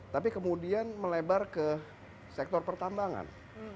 tapi kemudian melebar ke sektor pertambangan